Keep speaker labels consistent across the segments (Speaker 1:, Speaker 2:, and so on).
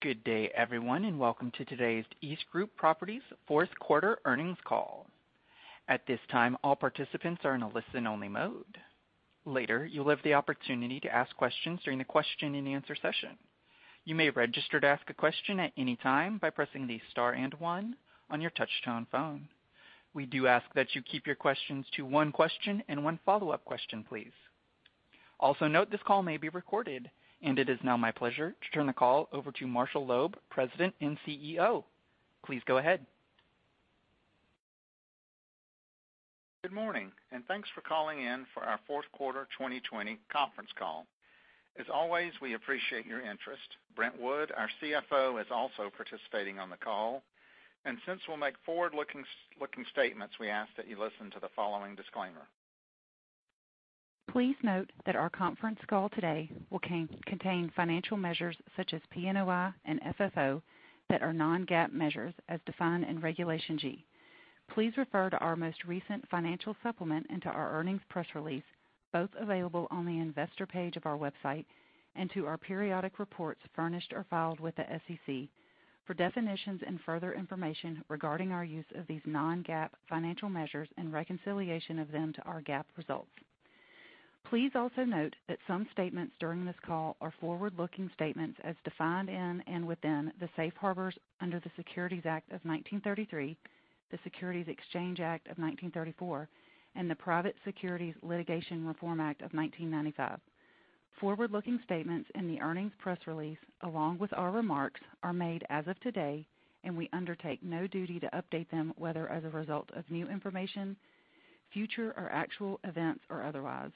Speaker 1: Good day, everyone, and welcome to today's EastGroup Properties fourth quarter earnings call. It is now my pleasure to turn the call over to Marshall Loeb, President and CEO. Please go ahead.
Speaker 2: Good morning, and thanks for calling in for our fourth quarter 2020 conference call. As always, we appreciate your interest. Brent Wood, our CFO, is also participating on the call. Since we'll make forward-looking statements, we ask that you listen to the following disclaimer.
Speaker 3: Please note that our conference call today will contain financial measures such as PNOI and FFO that are non-GAAP measures as defined in Regulation G. Please refer to our most recent financial supplement into our earnings press release, both available on the investor page of our website, and to our periodic reports furnished or filed with the SEC for definitions and further information regarding our use of these non-GAAP financial measures and reconciliation of them to our GAAP results. Please also note that some statements during this call are forward-looking statements as defined in and within the safe harbors under the Securities Act of 1933, the Securities Exchange Act of 1934, and the Private Securities Litigation Reform Act of 1995. Forward-looking statements in the earnings press release, along with our remarks, are made as of today, and we undertake no duty to update them, whether as a result of new information, future or actual events, or otherwise.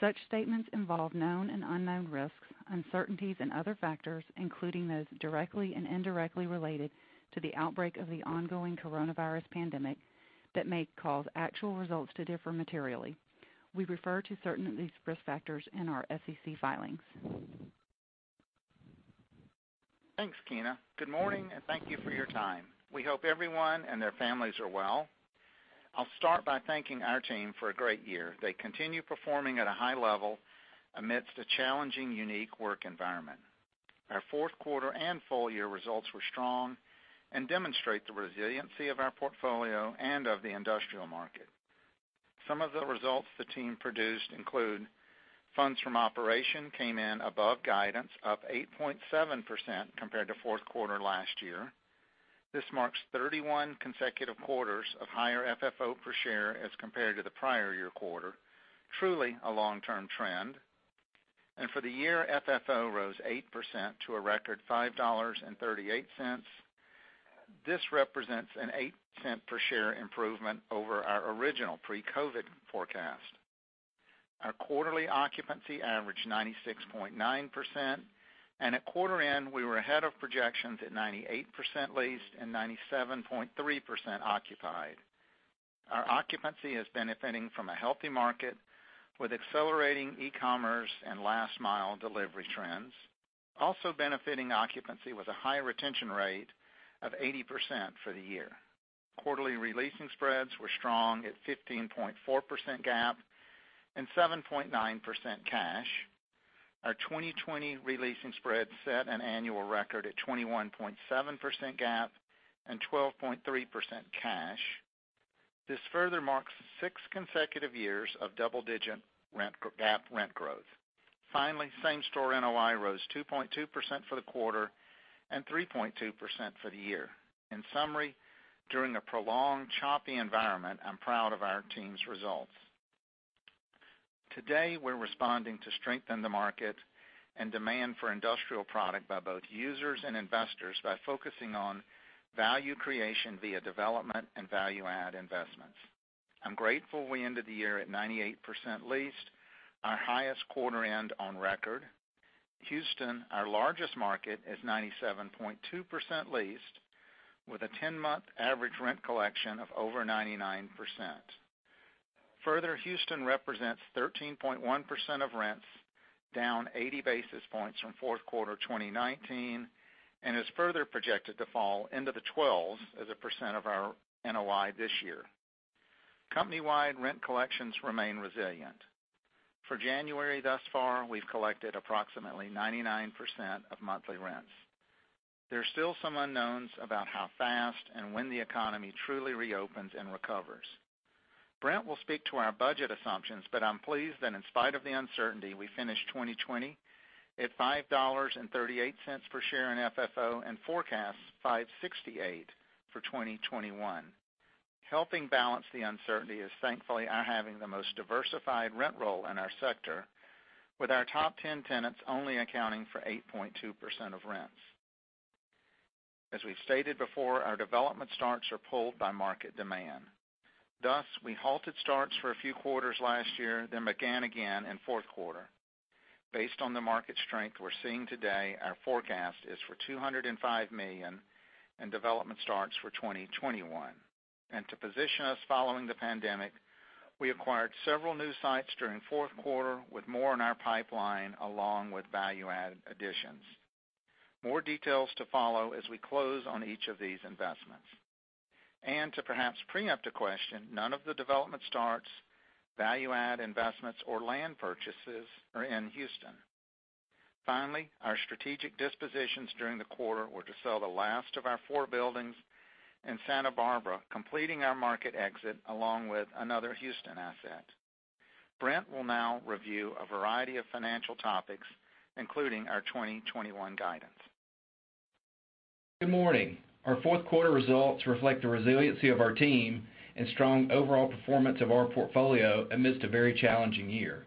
Speaker 3: Such statements involve known and unknown risks, uncertainties, and other factors, including those directly and indirectly related to the outbreak of the ongoing coronavirus pandemic, that may cause actual results to differ materially. We refer to certain of these risk factors in our SEC filings.
Speaker 2: Thanks, Keena. Good morning, and thank you for your time. We hope everyone and their families are well. I'll start by thanking our team for a great year. They continue performing at a high level amidst a challenging, unique work environment. Our fourth quarter and full year results were strong and demonstrate the resiliency of our portfolio and of the industrial market. Some of the results the team produced include funds from operation came in above guidance, up 8.7% compared to fourth quarter last year. This marks 31 consecutive quarters of higher FFO per share as compared to the prior year quarter, truly a long-term trend. For the year, FFO rose 8% to a record $5.38. This represents a $0.08 per share improvement over our original pre-COVID forecast. Our quarterly occupancy averaged 96.9%, and at quarter end, we were ahead of projections at 98% leased and 97.3% occupied. Our occupancy is benefiting from a healthy market with accelerating e-commerce and last-mile delivery trends. Also benefiting occupancy was a high retention rate of 80% for the year. Quarterly releasing spreads were strong at 15.4% GAAP and 7.9% cash. Our 2020 releasing spread set an annual record at 21.7% GAAP and 12.3% cash. This further marks six consecutive years of double-digit GAAP rent growth. Finally, same-store NOI rose 2.2% for the quarter and 3.2% for the year. In summary, during a prolonged, choppy environment, I'm proud of our team's results. Today, we're responding to strength in the market and demand for industrial product by both users and investors by focusing on value creation via development and value-add investments. I'm grateful we ended the year at 98% leased, our highest quarter end on record. Houston, our largest market, is 97.2% leased with a 10-month average rent collection of over 99%. Further, Houston represents 13.1% of rents, down 80 basis points from fourth quarter 2019, and is further projected to fall into the 12s as a percent of our NOI this year. Company-wide rent collections remain resilient. For January thus far, we've collected approximately 99% of monthly rents. There are still some unknowns about how fast and when the economy truly reopens and recovers. Brent will speak to our budget assumptions. I'm pleased that in spite of the uncertainty, we finished 2020 at $5.38 per share in FFO and forecast $5.68 for 2021. Helping balance the uncertainty is thankfully our having the most diversified rent roll in our sector, with our top 10 tenants only accounting for 8.2% of rents. As we've stated before, our development starts are pulled by market demand. Thus, I halted starts for a few quarters last year, then began again in fourth quarter. Based on the market strength we're seeing today, our forecast is for $205 million in development starts for 2021. To position us following the pandemic, we acquired several new sites during fourth quarter with more in our pipeline, along with value-add additions. More details to follow as we close on each of these investments. And to perhaps preempt a question, none of the development starts, value-add investments, or land purchases are in Houston. Finally, our strategic dispositions during the quarter were to sell the last of our four buildings in Santa Barbara, completing our market exit along with another Houston asset. Brent will now review a variety of financial topics, including our 2021 guidance.
Speaker 4: Good morning. Our fourth quarter results reflect the resiliency of our team and strong overall performance of our portfolio amidst a very challenging year.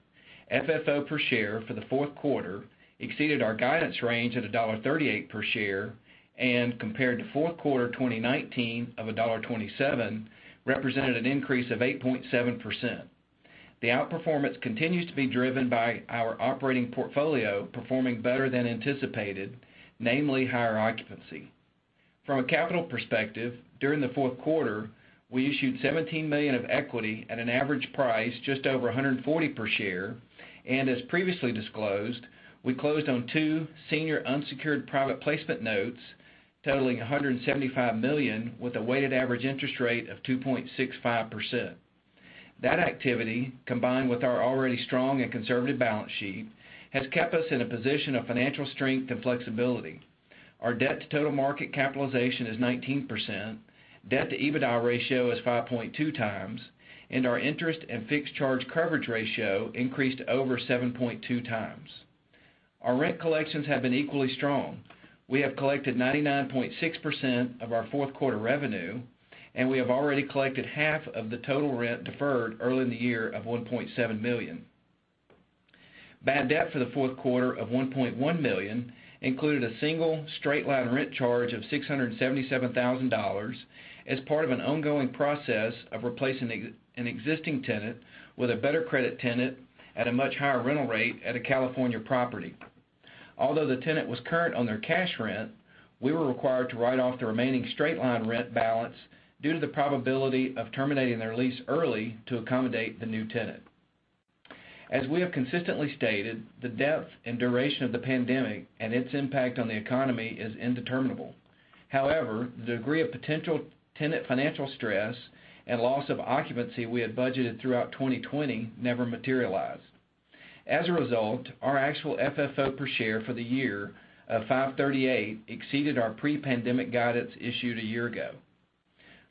Speaker 4: FFO per share for the fourth quarter exceeded our guidance range at $1.38 per share, and compared to fourth quarter 2019 of $1.27, represented an increase of 8.7%. The outperformance continues to be driven by our operating portfolio performing better than anticipated, namely higher occupancy. From a capital perspective, during the fourth quarter, we issued $17 million of equity at an average price just over $140 per share, and as previously disclosed, we closed on two senior unsecured private placement notes totaling $175 million, with a weighted average interest rate of 2.65%. That activity, combined with our already strong and conservative balance sheet, has kept us in a position of financial strength and flexibility. Our debt to total market capitalization is 19%, debt to EBITDA ratio is 5.2 times, and our interest and fixed charge coverage ratio increased to over 7.2 times. Our rent collections have been equally strong. We have collected 99.6% of our fourth quarter revenue, and we have already collected half of the total rent deferred early in the year of $1.7 million. Bad debt for the fourth quarter of $1.1 million included a single straight-line rent charge of $677,000 as part of an ongoing process of replacing an existing tenant with a better credit tenant at a much higher rental rate at a California property. Although the tenant was current on their cash rent, we were required to write off the remaining straight-line rent balance due to the probability of terminating their lease early to accommodate the new tenant. As we have consistently stated, the depth and duration of the pandemic and its impact on the economy is indeterminable. However, the degree of potential tenant financial stress and loss of occupancy we had budgeted throughout 2020 never materialized. As a result, our actual FFO per share for the year of $5.38 exceeded our pre-pandemic guidance issued a year ago.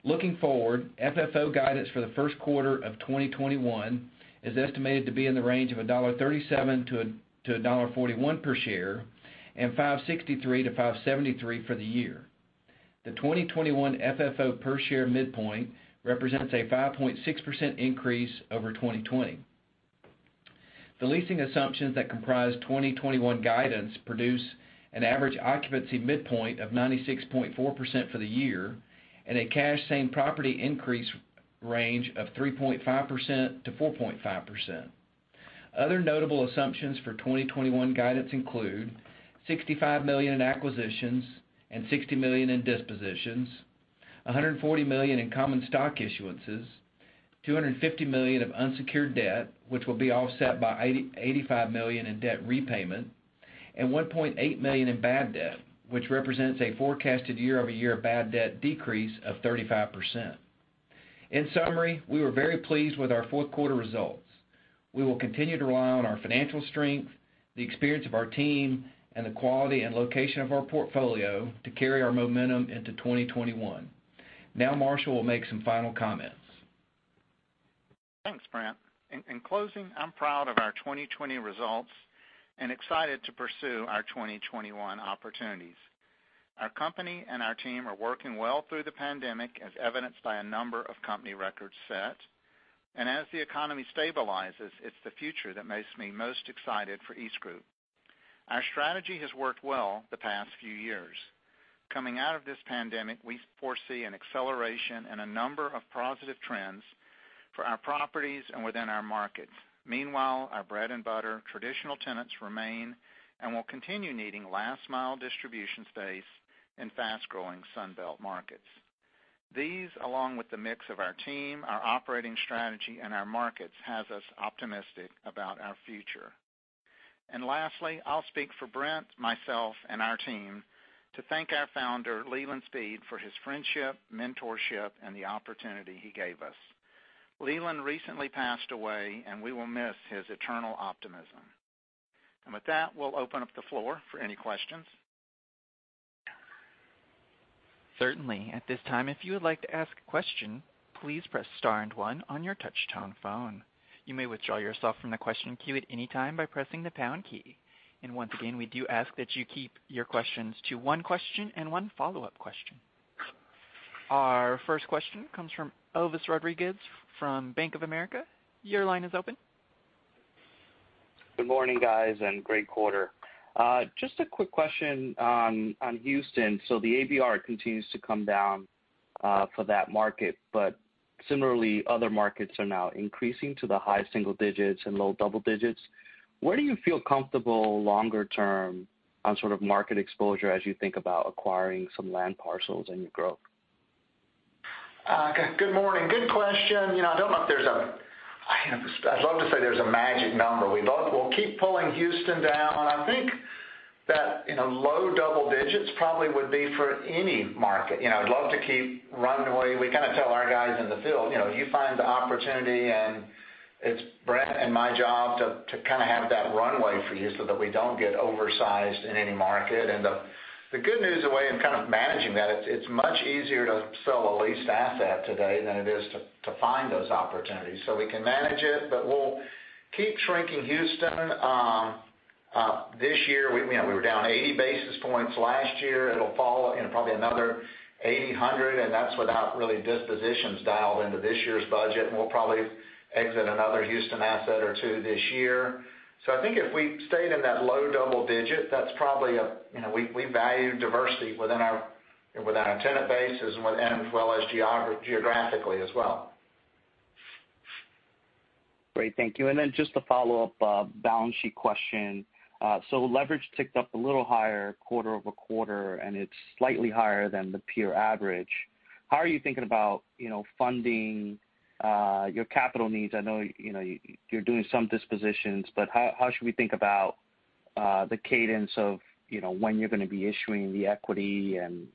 Speaker 4: Looking forward, FFO guidance for the first quarter of 2021 is estimated to be in the range of $1.37-$1.41 per share, and $5.63-$5.73 for the year. The 2021 FFO per share midpoint represents a 5.6% increase over 2020. The leasing assumptions that comprise 2021 guidance produce an average occupancy midpoint of 96.4% for the year and a cash same property increase range of 3.5%-4.5%. Other notable assumptions for 2021 guidance include $65 million in acquisitions and $60 million in dispositions, $140 million in common stock issuances, $250 million of unsecured debt, which will be offset by $85 million in debt repayment, and $1.8 million in bad debt, which represents a forecasted year-over-year bad debt decrease of 35%. In summary, we were very pleased with our fourth quarter results. We will continue to rely on our financial strength, the experience of our team, and the quality and location of our portfolio to carry our momentum into 2021. Now Marshall will make some final comments.
Speaker 2: Thanks, Brent. In closing, I'm proud of our 2020 results and excited to pursue our 2021 opportunities. Our company and our team are working well through the pandemic, as evidenced by a number of company records set. As the economy stabilizes, it's the future that makes me most excited for EastGroup. Our strategy has worked well the past few years. Coming out of this pandemic, we foresee an acceleration and a number of positive trends for our properties and within our markets. Meanwhile, our bread and butter traditional tenants remain and will continue needing last mile distribution space in fast-growing Sun Belt markets. These, along with the mix of our team, our operating strategy, and our markets, has us optimistic about our future. Lastly, I'll speak for Brent, myself, and our team to thank our founder, Leland Speed, for his friendship, mentorship, and the opportunity he gave us. Leland recently passed away, and we will miss his eternal optimism. With that, we'll open up the floor for any questions.
Speaker 1: Certainly. At this time, if you would like to ask a question, please press star and one on your touchtone phone. You may withdraw yourself from the question queue at any time by pressing the pound key. Once again, we do ask that you keep your questions to one question and one follow-up question. Our first question comes from Elvis Rodriguez from Bank of America. Your line is open.
Speaker 5: Good morning, guys, and great quarter. Just a quick question on Houston. The ABR continues to come down for that market, but similarly, other markets are now increasing to the high single digits and low double digits. Where do you feel comfortable longer term on sort of market exposure as you think about acquiring some land parcels and your growth?
Speaker 2: Good morning. Good question. I don't know if there's I'd love to say there's a magic number. We'll keep pulling Houston down. I think that low double digits probably would be for any market. I'd love to keep runway. We kind of tell our guys in the field, "If you find the opportunity, and it's Brent and my job to kind of have that runway for you so that we don't get oversized in any market." The good news, the way in kind of managing that, it's much easier to sell a leased asset today than it is to find those opportunities. We can manage it, but we'll keep shrinking Houston. This year, we were down 80 basis points last year. It'll fall probably another 80, 100, That's without really dispositions dialed into this year's budget. We'll probably exit another Houston asset or two this year. I think if we stayed in that low double digit. We value diversity within our tenant bases and as well as geographically as well.
Speaker 5: Great. Thank you. Then just a follow-up balance sheet question. Leverage ticked up a little higher quarter-over-quarter, and it's slightly higher than the peer average. How are you thinking about funding your capital needs? I know you're doing some dispositions, but how should we think about the cadence of when you're going to be issuing the equity and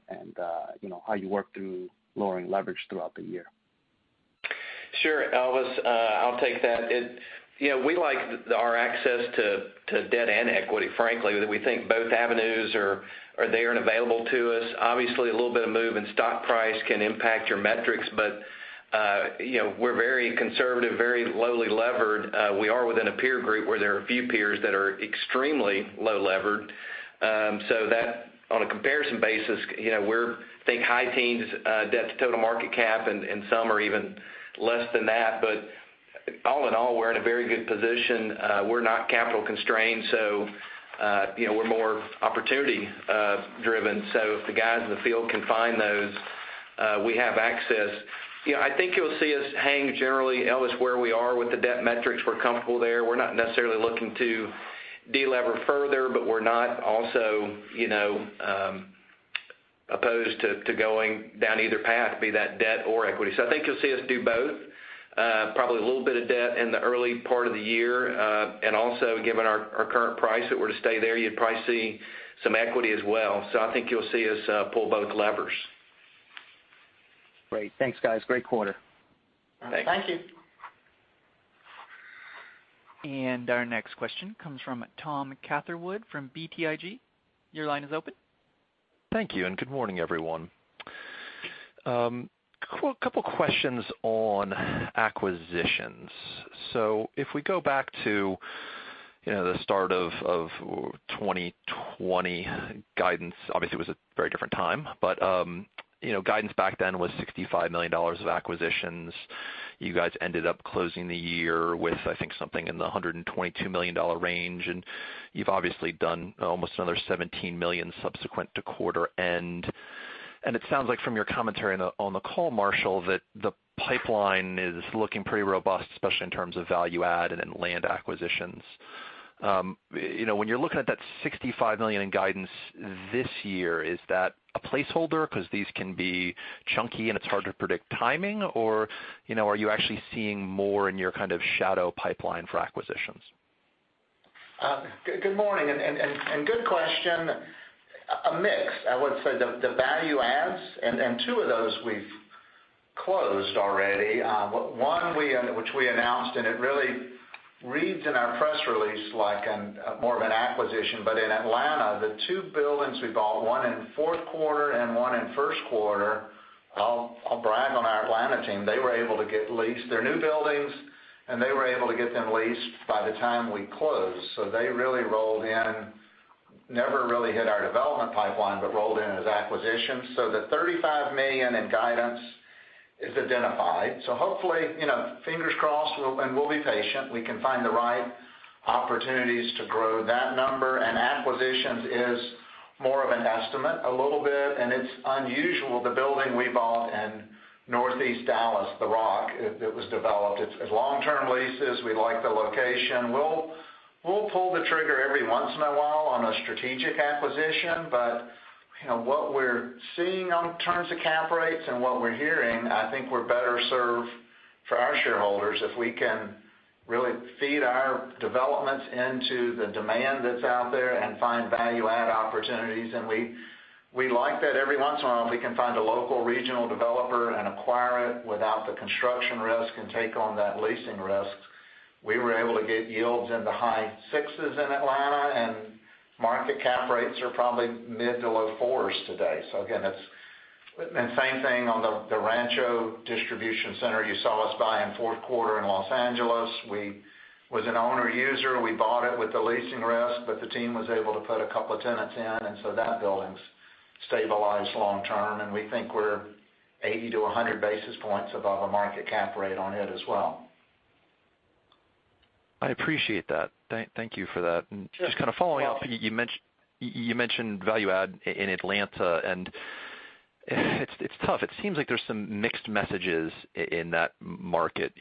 Speaker 5: how you work through lowering leverage throughout the year?
Speaker 4: Sure. Elvis, I'll take that. We like our access to debt and equity, frankly. We think both avenues are there and available to us. A little bit of move in stock price can impact your metrics. We're very conservative, very lowly levered. We are within a peer group where there are a few peers that are extremely low levered. That, on a comparison basis, we're, think high teens, debt to total market cap. Some are even less than that. All in all, we're in a very good position. We're not capital constrained. We're more opportunity driven. If the guys in the field can find those, we have access. I think you'll see us hang generally, Elvis, where we are with the debt metrics. We're comfortable there. We're not necessarily looking to de-lever further, but we're not also opposed to going down either path, be that debt or equity. I think you'll see us do both. Probably a little bit of debt in the early part of the year. Also, given our current price, if it were to stay there, you'd probably see some equity as well. I think you'll see us pull both levers.
Speaker 5: Great. Thanks, guys. Great quarter.
Speaker 4: Thanks.
Speaker 2: Thank you.
Speaker 1: Our next question comes from Tom Catherwood from BTIG. Your line is open.
Speaker 6: Thank you, good morning, everyone. Couple questions on acquisitions. If we go back to the start of 2020 guidance, obviously, it was a very different time, but guidance back then was $65 million of acquisitions. You guys ended up closing the year with, I think, something in the $122 million range, and you've obviously done almost another $17 million subsequent to quarter end. It sounds like from your commentary on the call, Marshall, that the pipeline is looking pretty robust, especially in terms of value add and in land acquisitions. When you're looking at that $65 million in guidance this year, is that a placeholder because these can be chunky and it's hard to predict timing? Are you actually seeing more in your kind of shadow pipeline for acquisitions?
Speaker 2: Good morning. Good question. A mix, I would say. The value adds, and two of those we've closed already. One which we announced, and it really reads in our press release like more of an acquisition. In Atlanta, the two buildings we bought, one in fourth quarter and one in first quarter, I'll brag on our Atlanta team. They were able to get leased. They're new buildings, and they were able to get them leased by the time we closed. They really rolled in, never really hit our development pipeline, but rolled in as acquisitions. The $35 million in guidance is identified. Hopefully, fingers crossed, and we'll be patient, we can find the right opportunities to grow that number. Acquisitions is more of an estimate a little bit, and it's unusual. The building we bought in Northeast Dallas, The Rock, it was developed. It's long-term leases. We like the location. We'll pull the trigger every once in a while on a strategic acquisition. What we're seeing in terms of cap rates and what we're hearing, I think we're better served for our shareholders if we can really feed our developments into the demand that's out there and find value-add opportunities. We like that every once in a while, if we can find a local regional developer and acquire it without the construction risk and take on that leasing risk. We were able to get yields in the high sixes in Atlanta, and market cap rates are probably mid to low fours today. Again, that's same thing on the Rancho Distribution Center you saw us buy in fourth quarter in Los Angeles was an owner user. We bought it with the leasing risk, but the team was able to put a couple of tenants in, and so that building's stabilized long term, and we think we're 80-100 basis points above a market cap rate on it as well.
Speaker 6: I appreciate that. Thank you for that. Just kind of following up, you mentioned value add in Atlanta, and it's tough. It seems like there's some mixed messages in that market.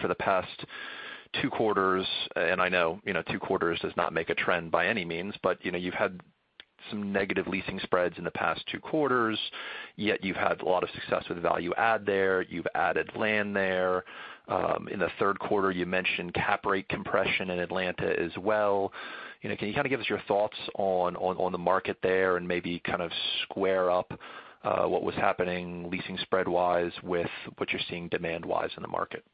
Speaker 6: For the past two quarters, and I know two quarters does not make a trend by any means, but you've had some negative leasing spreads in the past two quarters, yet you've had a lot of success with the value add there. You've added land there. In the 3rd quarter, you mentioned cap rate compression in Atlanta as well. Can you give us your thoughts on the market there and maybe square up what was happening leasing spread-wise with what you're seeing demand-wise in the market?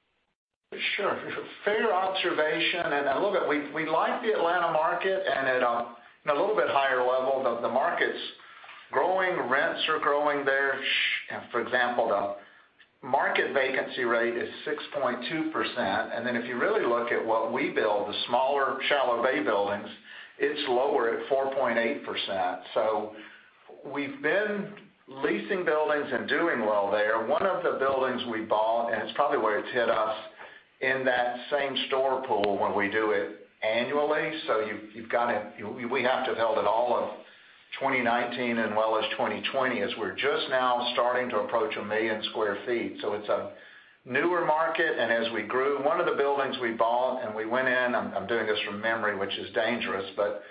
Speaker 2: Sure. Fair observation and a little bit. We like the Atlanta market, and at a little bit higher level, the market's growing. Rents are growing there. For example, the market vacancy rate is 6.2%. Then if you really look at what we build, the smaller shallow bay buildings, it's lower at 4.8%. We've been leasing buildings and doing well there. One of the buildings we bought, and it's probably where it's hit us in that same store pool when we do it annually. We have to have held it all of 2019 as well as 2020, as we're just now starting to approach 1 million square feet. It's a newer market. As we grew, one of the buildings we bought, and we went in, I'm doing this from memory, which is dangerous, but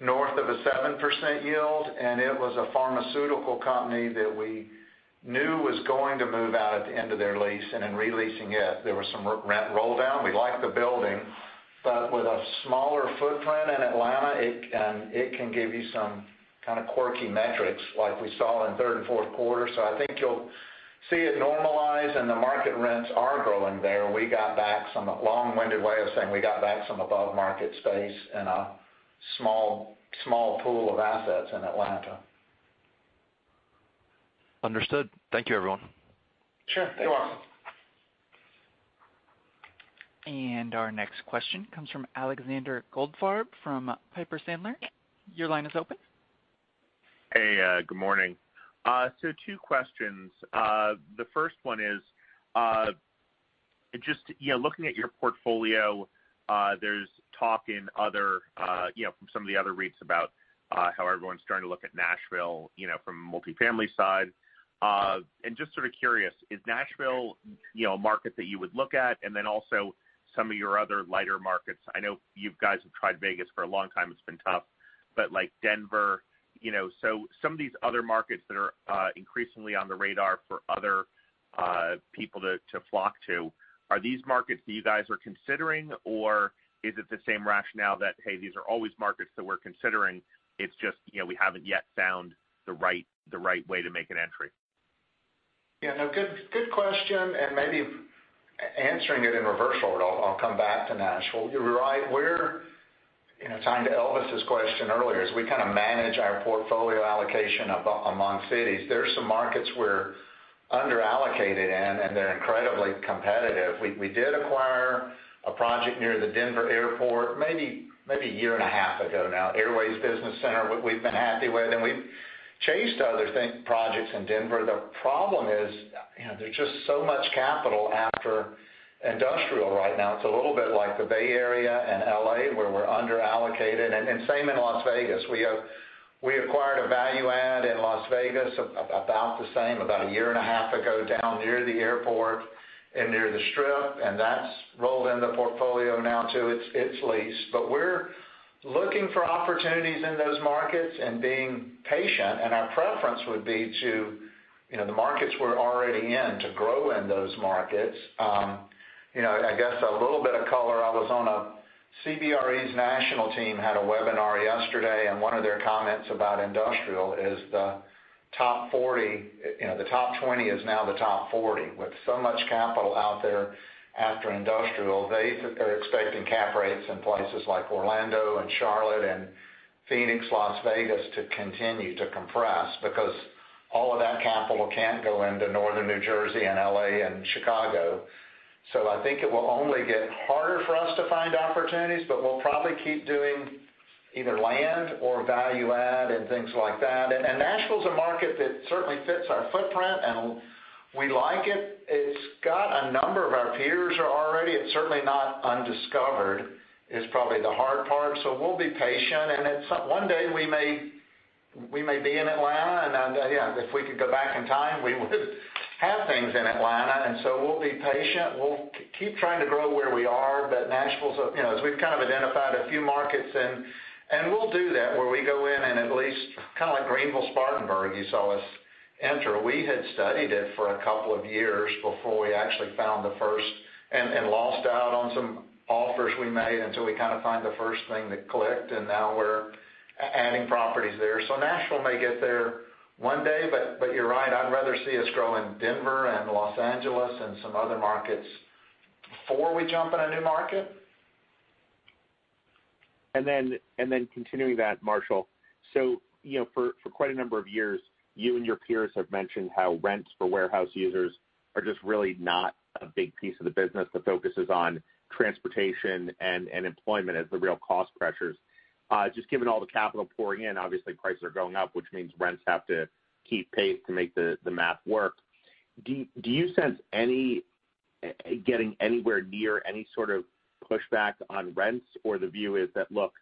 Speaker 2: north of a 7% yield, and it was a pharmaceutical company that we knew was going to move out at the end of their lease and then re-leasing it. There was some rent roll down. We liked the building, but with a smaller footprint in Atlanta, it can give you some kind of quirky metrics like we saw in third and fourth quarter. I think you'll see it normalize and the market rents are growing there. A long-winded way of saying we got back some above-market space in a small pool of assets in Atlanta.
Speaker 6: Understood. Thank you, everyone.
Speaker 2: Sure. You are welcome.
Speaker 1: Our next question comes from Alexander Goldfarb from Piper Sandler. Your line is open.
Speaker 7: Hey, good morning. Two questions. The first one is, just looking at your portfolio, there's talk from some of the other REITs about how everyone's starting to look at Nashville, from multifamily side. Just sort of curious, is Nashville a market that you would look at? Also some of your other lighter markets. I know you guys have tried Vegas for a long time. It's been tough, but like Denver. Some of these other markets that are increasingly on the radar for other people to flock to, are these markets that you guys are considering? Or is it the same rationale that, hey, these are always markets that we're considering, it's just we haven't yet found the right way to make an entry?
Speaker 2: Yeah, no, good question. Maybe answering it in reverse order. I'll come back to Nashville. You're right. We're tying to Elvis's question earlier as we kind of manage our portfolio allocation among cities. There's some markets we're under-allocated in, and they're incredibly competitive. We did acquire a project near the Denver airport maybe a year and a half ago now, Airways Business Center, we've been happy with, and we've chased other projects in Denver. The problem is, there's just so much capital after industrial right now. It's a little bit like the Bay Area and L.A., where we're under-allocated, and same in Las Vegas. We acquired a value add in Las Vegas about the same, about a year and a half ago, down near the airport and near the Strip, and that's rolled in the portfolio now too. It's leased. We're looking for opportunities in those markets and being patient, and our preference would be to the markets we're already in, to grow in those markets. I guess a little bit of color. I was on a CBRE's national team, had a webinar yesterday, and one of their comments about industrial is the top 20 is now the top 40. With so much capital out there after industrial, they are expecting cap rates in places like Orlando and Charlotte and Phoenix, Las Vegas to continue to compress because all of that capital can't go into Northern New Jersey and L.A. and Chicago. I think it will only get harder for us to find opportunities, but we'll probably keep doing either land or value add and things like that. Nashville's a market that certainly fits our footprint, and we like it. It's got a number of our peers are already. It's certainly not undiscovered, is probably the hard part. We'll be patient, and one day we may be in Atlanta, and if we could go back in time, we would have things in Atlanta. We'll be patient. We'll keep trying to grow where we are. Nashville's As we've kind of identified a few markets, and we'll do that where we go in and at least kind of like Greenville, Spartanburg, you saw us enter. We had studied it for a couple of years before we actually found the first and lost out on some offers we made until we kind of find the first thing that clicked. Now we're adding properties there. Nashville may get there one day, but you're right. I'd rather see us grow in Denver and Los Angeles and some other markets before we jump in a new market.
Speaker 7: Continuing that, Marshall. For quite a number of years, you and your peers have mentioned how rents for warehouse users are just really not a big piece of the business. The focus is on transportation and employment as the real cost pressures. Just given all the capital pouring in, obviously prices are going up, which means rents have to keep pace to make the math work. Do you sense getting anywhere near any sort of pushback on rents? The view is that, look,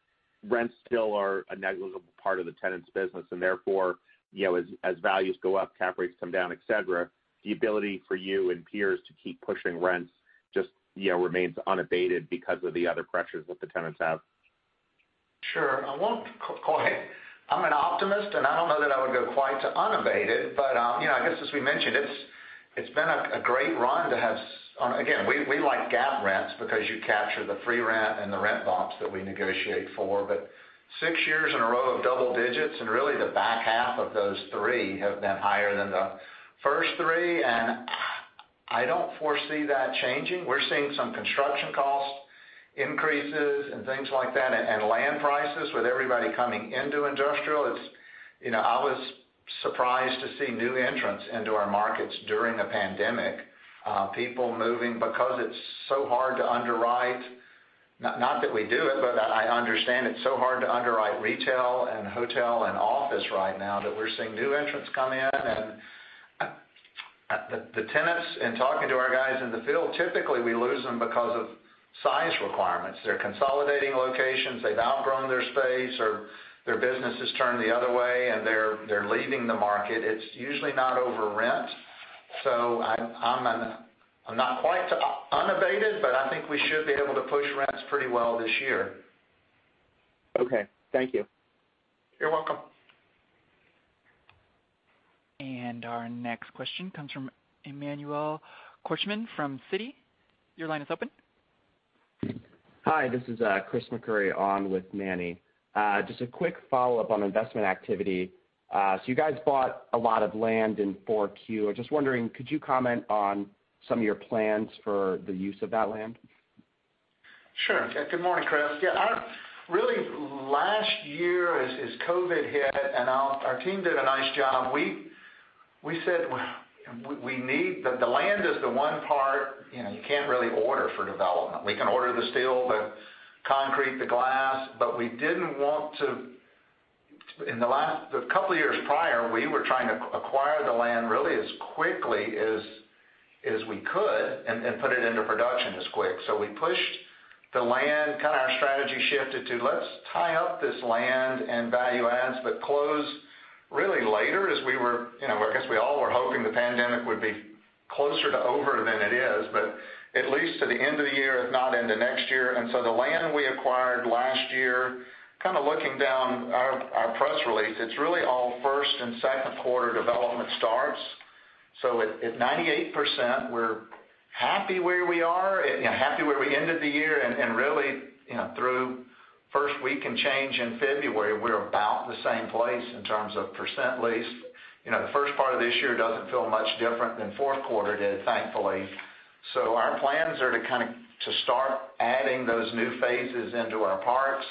Speaker 7: rents still are a negligible part of the tenant's business, and therefore, as values go up, cap rates come down, et cetera, the ability for you and peers to keep pushing rents Just remains unabated because of the other pressures that the tenants have.
Speaker 2: Sure. I'm an optimist, and I don't know that I would go quite to unabated. I guess as we mentioned, it's been a great run to have. Again, we like GAAP rents because you capture the free rent and the rent bumps that we negotiate for. Six years in a row of double digits, and really the back half of those three have been higher than the first three, and I don't foresee that changing. We're seeing some construction cost increases and things like that, and land prices with everybody coming into industrial. I was surprised to see new entrants into our markets during the pandemic. People moving because it's so hard to underwrite. Not that we do it. I understand it's so hard to underwrite retail and hotel and office right now that we're seeing new entrants come in. The tenants, in talking to our guys in the field, typically, we lose them because of size requirements. They're consolidating locations, they've outgrown their space, or their business has turned the other way and they're leaving the market. It's usually not over rent. I'm not quite unabated, but I think we should be able to push rents pretty well this year.
Speaker 7: Okay. Thank you.
Speaker 2: You're welcome.
Speaker 1: Our next question comes from Emmanuel Korchman from Citi. Your line is open.
Speaker 8: Hi, this is Chris McCurry on with Manny. Just a quick follow-up on investment activity. You guys bought a lot of land in 4Q. I'm just wondering, could you comment on some of your plans for the use of that land?
Speaker 2: Sure. Good morning, Chris. Yeah, really last year, as COVID hit, our team did a nice job. The land is the one part you can't really order for development. We can order the steel, the concrete, the glass, but the couple of years prior, we were trying to acquire the land really as quickly as we could and put it into production as quick. We pushed the land. Kind of our strategy shifted to let's tie up this land and value adds, but close really later, as I guess we all were hoping the pandemic would be closer to over than it is, but at least to the end of the year, if not into next year. The land we acquired last year, kind of looking down our press release, it's really all first and second quarter development starts. At 98%, we're happy where we are, happy where we ended the year, and really, through first week and change in February, we're about the same place in terms of % leased. The first part of this year doesn't feel much different than fourth quarter did, thankfully. Our plans are to start adding those new phases into our parks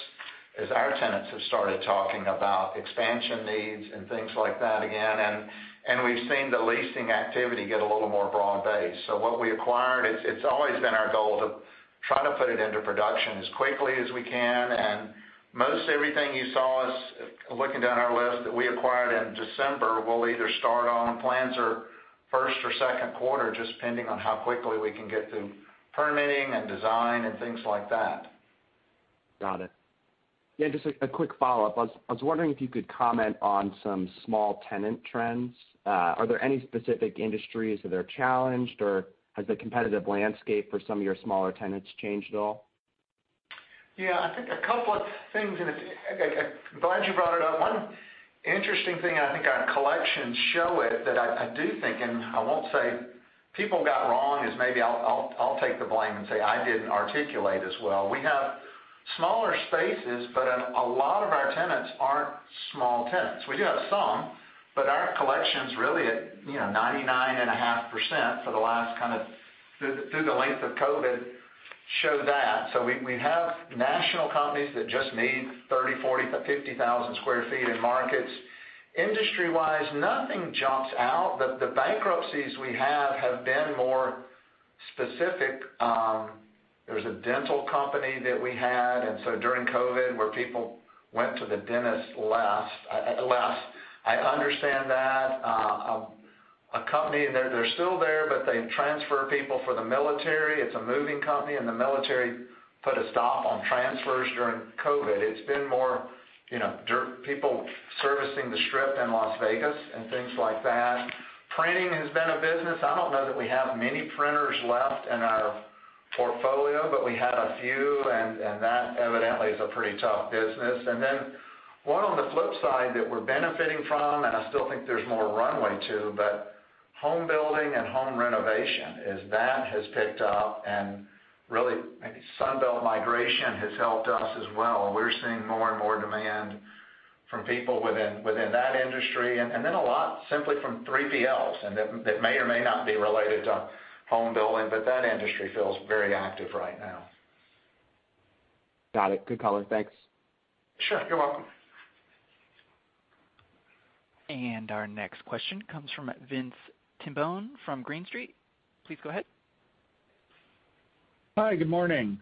Speaker 2: as our tenants have started talking about expansion needs and things like that again. We've seen the leasing activity get a little more broad-based. What we acquired, it's always been our goal to try to put it into production as quickly as we can. Most everything you saw us, looking down our list, that we acquired in December, we'll either start on. Plans are first or second quarter, just depending on how quickly we can get through permitting and design and things like that.
Speaker 8: Got it. Yeah, just a quick follow-up. I was wondering if you could comment on some small tenant trends. Are there any specific industries that are challenged, or has the competitive landscape for some of your smaller tenants changed at all?
Speaker 2: Yeah, I think a couple of things, and I'm glad you brought it up. One interesting thing, I think our collections show it, that I do think, and I won't say people got wrong, as maybe I'll take the blame and say I didn't articulate as well. We have smaller spaces, but a lot of our tenants aren't small tenants. We do have some, but our collections really at 99.5% through the length of COVID show that. We have national companies that just need 30,000, 40,000 to 50,000 sq ft in markets. Industry-wise, nothing jumps out. The bankruptcies we have have been more specific. There's a dental company that we had, and so during COVID, where people went to the dentist less. I understand that. A company, they're still there, but they transfer people for the military. It's a moving company, and the military put a stop on transfers during COVID. It's been more people servicing the Strip in Las Vegas and things like that. Printing has been a business. I don't know that we have many printers left in our portfolio, but we had a few, and that evidently is a pretty tough business. One on the flip side that we're benefiting from, and I still think there's more runway too, but home building and home renovation, as that has picked up, and really Sun Belt migration has helped us as well. We're seeing more and more demand from people within that industry. A lot simply from 3PLs, and that may or may not be related to home building, but that industry feels very active right now.
Speaker 8: Got it. Good color. Thanks.
Speaker 2: Sure. You're welcome.
Speaker 1: Our next question comes from Vince Tibone from Green Street. Please go ahead.
Speaker 9: Hi, good morning.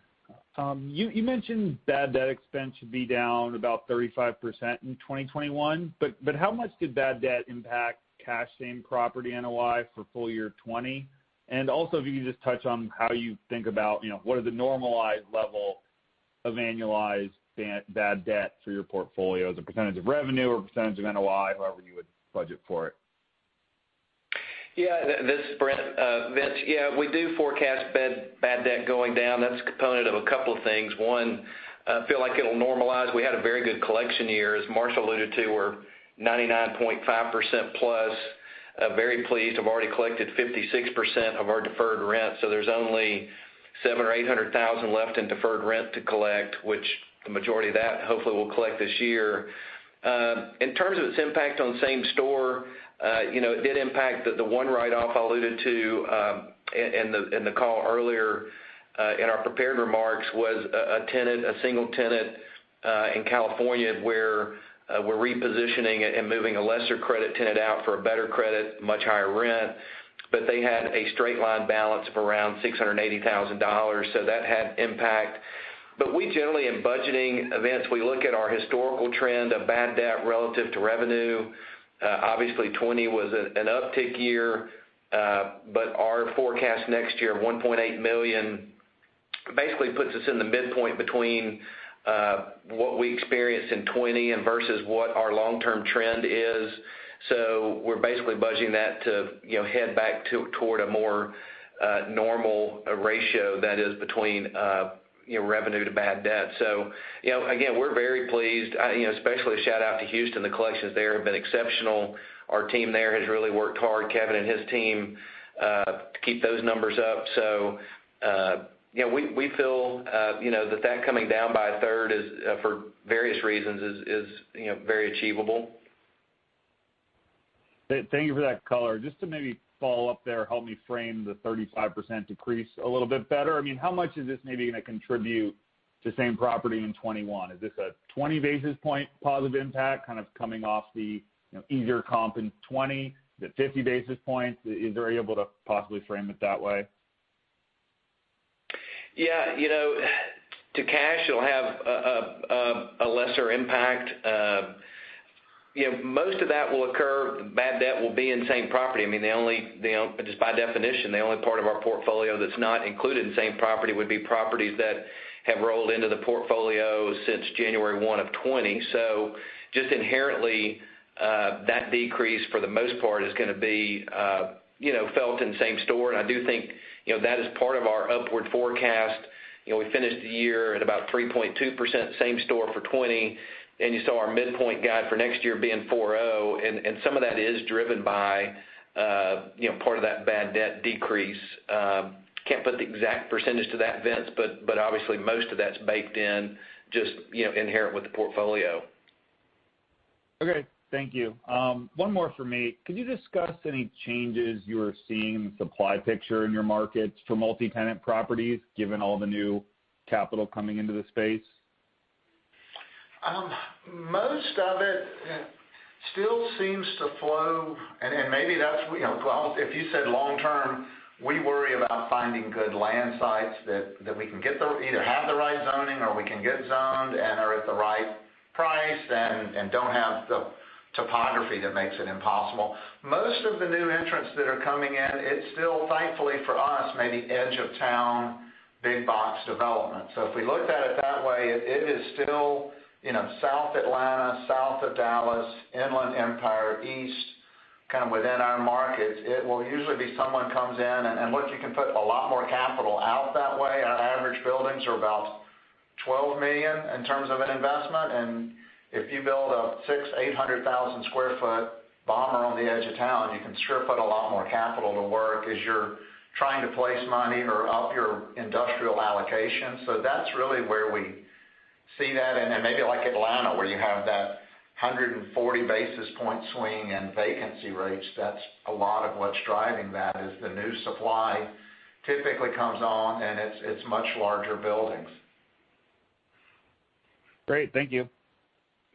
Speaker 9: You mentioned bad debt expense should be down about 35% in 2021. How much did bad debt impact cash same-property NOI for full year 2020? If you could just touch on how you think about what are the normalized level of annualized bad debt for your portfolio as a percentage of revenue or percentage of NOI, however you would budget for it?
Speaker 4: This is Brent. Vince, yeah, we do forecast bad debt going down. That's a component of a couple of things. One, I feel like it'll normalize. We had a very good collection year, as Marshall alluded to, we're 99.5% plus. Very pleased, have already collected 56% of our deferred rent, so there's only $700,000 or $800,000 left in deferred rent to collect, which the majority of that, hopefully we'll collect this year. In terms of its impact on same store, it did impact the one write-off I alluded to in the call earlier in our prepared remarks was a single tenant, in California, where we're repositioning it and moving a lesser credit tenant out for a better credit, much higher rent. They had a straight-line balance of around $680,000, so that had impact. We generally, in budgeting events, we look at our historical trend of bad debt relative to revenue. Obviously, 2020 was an uptick year. Our forecast next year of $1.8 million, basically puts us in the midpoint between what we experienced in 2020 and versus what our long-term trend is. We're basically budgeting that to head back toward a more normal ratio that is between revenue to bad debt. Again, we're very pleased, especially a shout-out to Houston. The collections there have been exceptional. Our team there has really worked hard, Kevin and his team, to keep those numbers up. We feel the debt coming down by a third is for various reasons is very achievable.
Speaker 9: Thank you for that color. Just to maybe follow up there, help me frame the 35% decrease a little bit better. How much is this maybe going to contribute to same property in 2021? Is this a 20 basis point positive impact, kind of coming off the easier comp in 2020? The 50 basis points? Is everybody able to possibly frame it that way?
Speaker 4: Yeah. To cash, it'll have a lesser impact. Most of that will occur, bad debt will be in same property. Just by definition, the only part of our portfolio that's not included in same property would be properties that have rolled into the portfolio since January 1 of 2020. Just inherently, that decrease for the most part is going to be felt in same store. I do think that is part of our upward forecast. We finished the year at about 3.2% same store for 2020, and you saw our midpoint guide for next year being 4.0%, and some of that is driven by part of that bad debt decrease. Can't put the exact percentage to that, Vince, but obviously most of that's baked in just inherent with the portfolio.
Speaker 9: Okay. Thank you. One more from me. Could you discuss any changes you're seeing in the supply picture in your markets for multi-tenant properties, given all the new capital coming into the space?
Speaker 2: Most of it still seems to flow. If you said long-term, we worry about finding good land sites that we can either have the right zoning or we can get zoned and are at the right price and don't have the topography that makes it impossible. Most of the new entrants that are coming in, it's still, thankfully for us, maybe edge of town, big box development. If we looked at it that way, it is still South Atlanta, south of Dallas, Inland Empire, east, kind of within our markets. It will usually be someone comes in, and look, you can put a lot more capital out that way. Our average buildings are about $12 million in terms of an investment. If you build a 600,000,800,000 sq ft big box on the edge of town, you can sure put a lot more capital to work as you're trying to place money or up your industrial allocation. That's really where we see that. Then maybe like Atlanta where you have that 140 basis point swing in vacancy rates. That's a lot of what's driving that is the new supply typically comes on and it's much larger buildings.
Speaker 9: Great. Thank you.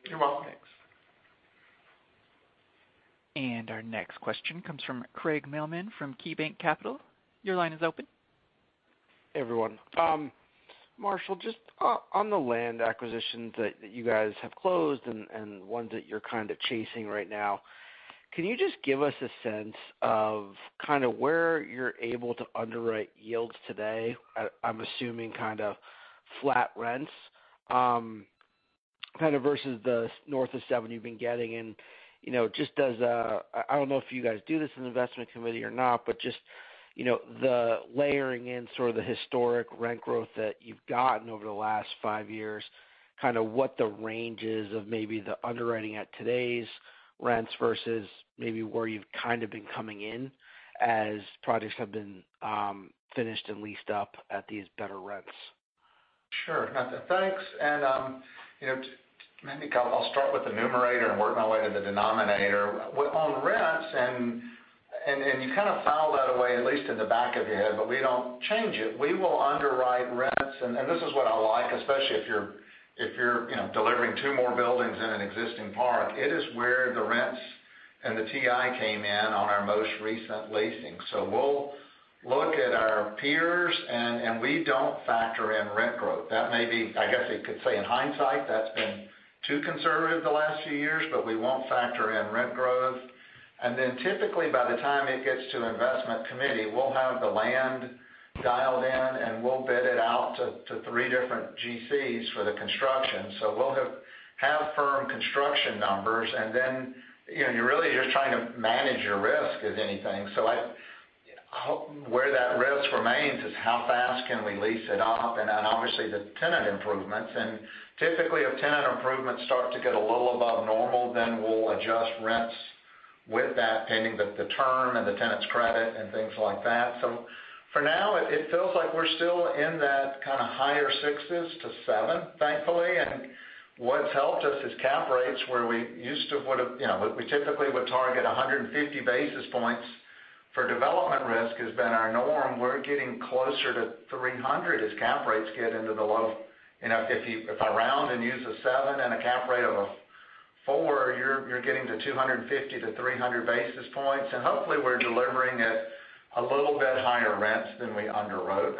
Speaker 2: You're welcome.
Speaker 1: Next. Our next question comes from Craig Mailman from KeyBanc Capital. Your line is open.
Speaker 10: Hey, everyone. Marshall, just on the land acquisitions that you guys have closed and ones that you're kind of chasing right now, can you just give us a sense of where you're able to underwrite yields today? I'm assuming kind of flat rents, kind of versus the north of seven you've been getting and just as a I don't know if you guys do this in investment committee or not, but just the layering in sort of the historic rent growth that you've gotten over the last five years, kind of what the range is of maybe the underwriting at today's rents versus maybe where you've kind of been coming in as projects have been finished and leased up at these better rents.
Speaker 2: Sure. Thanks. I think I'll start with the numerator and work my way to the denominator. On rents, you kind of file that away, at least in the back of your head, we don't change it. We will underwrite rents, this is what I like, especially if you're delivering two more buildings in an existing park. It is where the rents and the TI came in on our most recent leasing. We'll look at our peers, we don't factor in rent growth. That may be, I guess you could say in hindsight, that's been too conservative the last few years, we won't factor in rent growth. Typically by the time it gets to an investment committee, we'll have the land dialed in, we'll bid it out to three different GCs for the construction. We'll have firm construction numbers, and then you're really just trying to manage your risk of anything. Where that risk remains is how fast can we lease it up, and obviously the tenant improvements. Typically, if tenant improvements start to get a little above normal, then we'll adjust rents with that pending the term and the tenant's credit and things like that. For now, it feels like we're still in that kind of higher sixes to seven, thankfully. What's helped us is cap rates where we typically would target 150 basis points for development risk has been our norm. We're getting closer to 300 as cap rates get into if I round and use a seven and a cap rate of a four, you're getting to 250 to 300 basis points. Hopefully we're delivering at a little bit higher rents than we underwrote.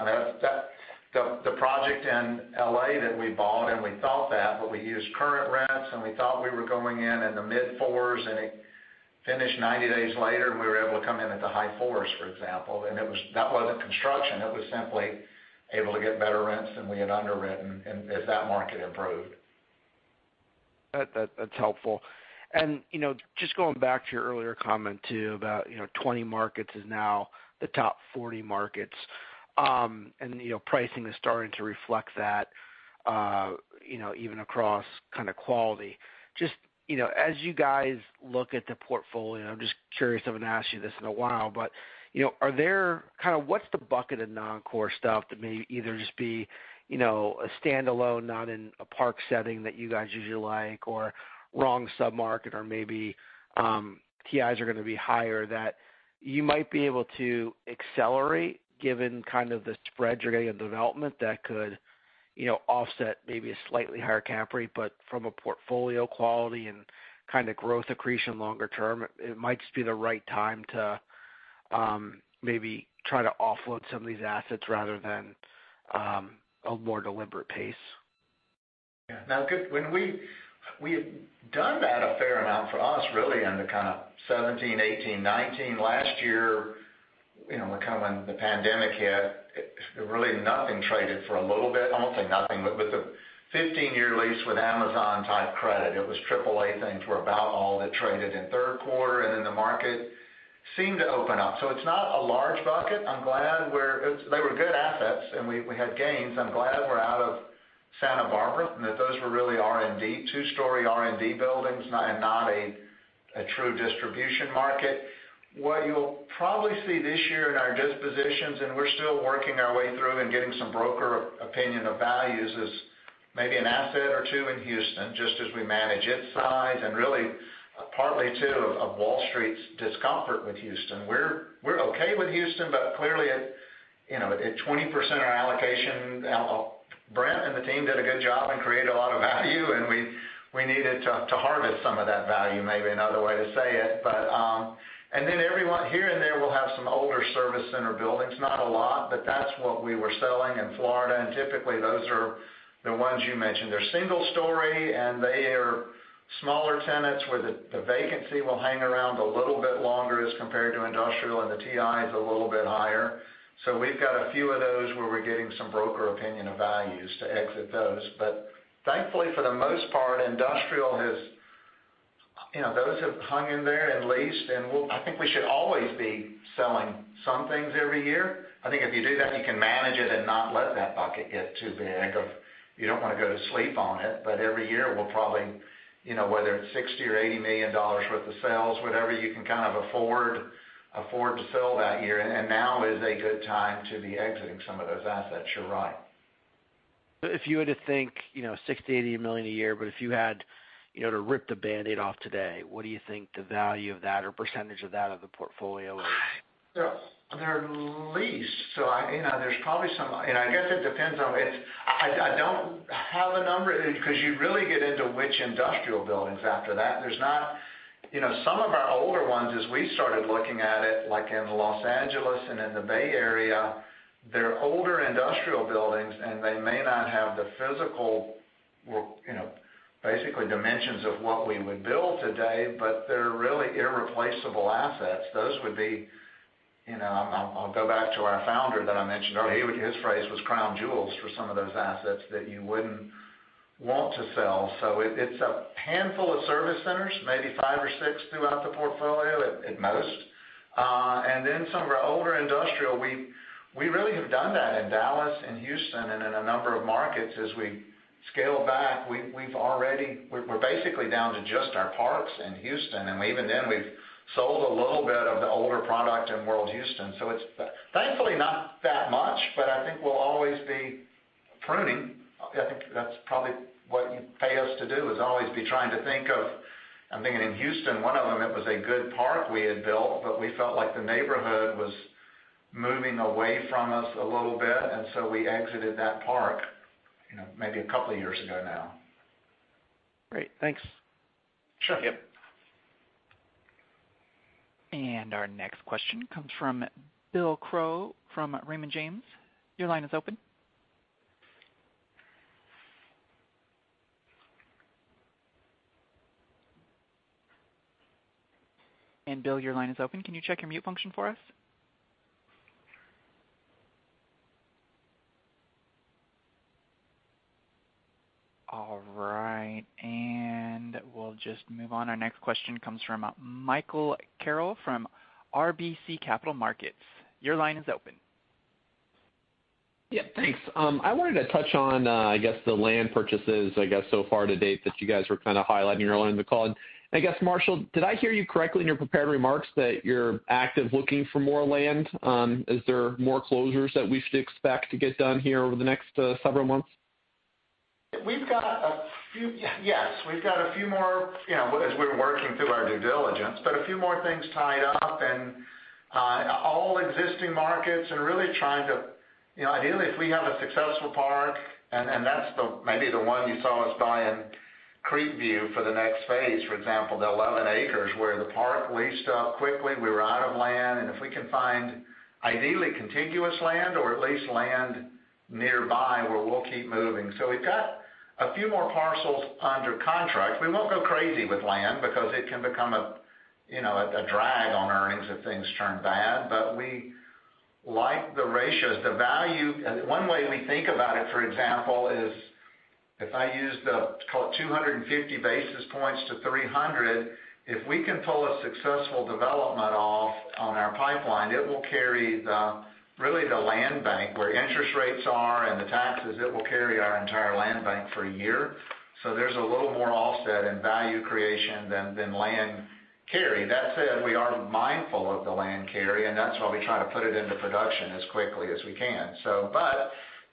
Speaker 2: The project in L.A. that we bought, and we thought that, but we used current rents, and we thought we were going in at the mid-fours, and it finished 90 days later, and we were able to come in at the high fours, for example. That wasn't construction. It was simply able to get better rents than we had underwritten, and as that market improved.
Speaker 10: That's helpful. Just going back to your earlier comment too about, 20 markets is now the top 40 markets. Pricing is starting to reflect that, even across kind of quality. Just, as you guys look at the portfolio, I'm just curious, I haven't asked you this in a while, but what's the bucket of non-core stuff that may either just be a standalone, not in a park setting that you guys usually like, or wrong sub-market, or maybe TIs are going to be higher, that you might be able to accelerate given kind of the spread you're getting in development that could offset maybe a slightly higher cap rate. From a portfolio quality and kind of growth accretion longer term, it might just be the right time to maybe try to offload some of these assets rather than a more deliberate pace.
Speaker 2: Yeah. We had done that a fair amount for us really under kind of 2017, 2018, 2019. Last year, when the pandemic hit, really nothing traded for a little bit. I won't say nothing, but with a 15-year lease with Amazon type credit, it was AAA things were about all that traded in third quarter. The market seemed to open up. It's not a large bucket. They were good assets, and we had gains. I'm glad we're out of Santa Barbara. Those were really two-story R&D buildings and not a true distribution market. What you'll probably see this year in our dispositions, and we're still working our way through and getting some broker opinion of values is maybe an asset or two in Houston, just as we manage its size and really partly too, of Wall Street's discomfort with Houston. We're okay with Houston, but clearly at 20% our allocation. Brent and the team did a good job and created a lot of value, and we needed to harvest some of that value, may be another way to say it. And then everyone here and there will have some older service center buildings. Not a lot, but that's what we were selling in Florida. Typically, those are the ones you mentioned. They're single story, and they are smaller tenants where the vacancy will hang around a little bit longer as compared to industrial, and the TI is a little bit higher. We've got a few of those where we're getting some broker opinion of values to exit those. Thankfully, for the most part, industrial has those have hung in there and leased, and I think we should always be selling some things every year. I think if you do that, you can manage it and not let that bucket get too big of, you don't want to go to sleep on it. Every year, we'll probably, whether it's $60 million or $80 million worth of sales, whatever you can kind of afford to sell that year. Now is a good time to be exiting some of those assets. You're right.
Speaker 10: If you were to think, $60 million-$80 million a year, but if you had to rip the Band-Aid off today, what do you think the value of that or % of that of the portfolio is?
Speaker 2: They're leased. I guess it depends. I don't have a number because you really get into which industrial buildings after that. Some of our older ones, as we started looking at it, like in Los Angeles and in the Bay Area, they're older industrial buildings, and they may not have the physical, basically dimensions of what we would build today, but they're really irreplaceable assets. I'll go back to our founder that I mentioned earlier. His phrase was crown jewels for some of those assets that you wouldn't want to sell. It's a handful of service centers, maybe five or six throughout the portfolio at most. Some of our older industrial, we really have done that in Dallas and Houston and in a number of markets as we scale back. We're basically down to just our parks in Houston. Even then we've sold a little bit of the older product in World Houston. It's thankfully not that much. I think we'll always be pruning. I think that's probably what you pay us to do. I'm thinking in Houston, one of them, it was a good park we had built. We felt like the neighborhood was moving away from us a little bit. We exited that park maybe a couple of years ago now.
Speaker 10: Great. Thanks.
Speaker 2: Sure.
Speaker 10: Yep.
Speaker 1: Our next question comes from Bill Crow from Raymond James. Your line is open. Bill, your line is open. Can you check your mute function for us? All right. We'll just move on. Our next question comes from Michael Carroll from RBC Capital Markets. Your line is open.
Speaker 11: Yeah, thanks. I wanted to touch on the land purchases so far to date that you guys were kind of highlighting earlier in the call. Marshall, did I hear you correctly in your prepared remarks that you're active looking for more land? Is there more closures that we should expect to get done here over the next several months?
Speaker 2: Yes. We've got a few more, as we're working through our due diligence, but a few more things tied up in all existing markets and really trying to ideally, if we have a successful park, and that's maybe the one you saw us buy in Creekview for the next phase, for example, the 11 acres where the park leased up quickly, we were out of land. If we can find ideally contiguous land or at least land nearby, where we'll keep moving. We've got a few more parcels under contract. We won't go crazy with land because it can become a drag on earnings if things turn bad. We like the ratios. One way we think about it, for example, is if I use the call it 250 basis points to 300 basis points, if we can pull a successful development off on our pipeline, it will carry really the land bank, where interest rates are and the taxes, it will carry our entire land bank for a year. There's a little more offset in value creation than land carry. That said, we are mindful of the land carry, and that's why we try to put it into production as quickly as we can.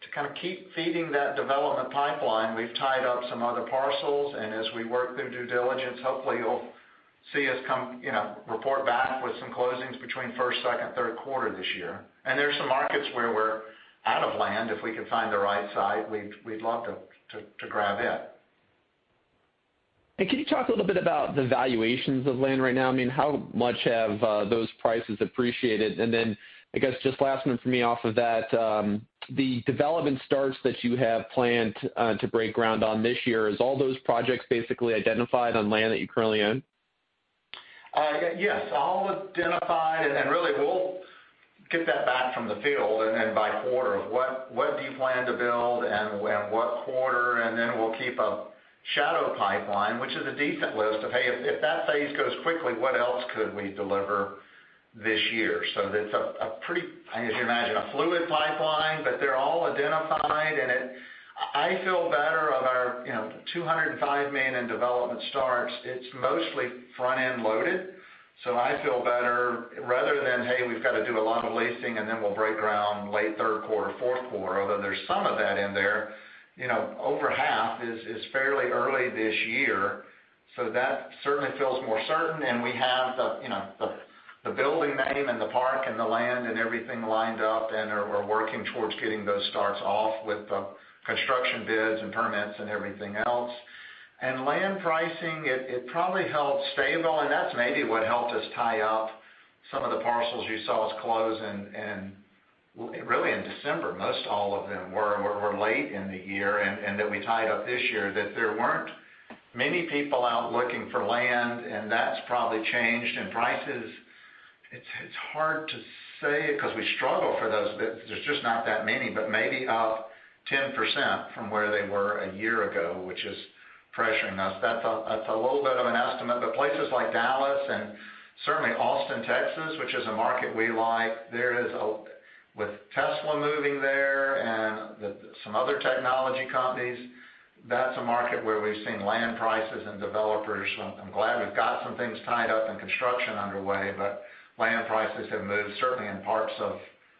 Speaker 2: To kind of keep feeding that development pipeline, we've tied up some other parcels, and as we work through due diligence, hopefully you'll see us report back with some closings between first, second, third quarter this year. There's some markets where we're out of land. If we can find the right site, we'd love to grab it.
Speaker 11: Can you talk a little bit about the valuations of land right now? I mean, how much have those prices appreciated? Then I guess just last one from me off of that. The development starts that you have planned to break ground on this year, is all those projects basically identified on land that you currently own?
Speaker 2: Yes. All identified, we'll get that back from the field by quarter of what do you plan to build and what quarter, we'll keep a shadow pipeline, which is a decent list of, hey, if that phase goes quickly, what else could we deliver this year? That's a pretty, as you imagine, a fluid pipeline, but they're all identified. I feel better of our $205 million in development starts. It's mostly front-end loaded, I feel better rather than, hey, we've got to do a lot of leasing, we'll break ground late third quarter, fourth quarter, although there's some of that in there. Over half is fairly early this year. That certainly feels more certain. We have the building name and the park and the land and everything lined up, and we're working towards getting those starts off with the construction bids and permits and everything else. Land pricing, it probably held stable, and that's maybe what helped us tie up some of the parcels you saw us close really in December. Most all of them were late in the year, that we tied up this year, that there weren't many people out looking for land, and that's probably changed. Prices, it's hard to say because we struggle for those bids. There's just not that many, but maybe up 10% from where they were a year ago, which is pressuring us. That's a little bit of an estimate. Places like Dallas and certainly Austin, Texas, which is a market we like, with Tesla moving there and some other technology companies, that's a market where we've seen land prices and developers. I'm glad we've got some things tied up and construction underway. Land prices have moved, certainly in parts of,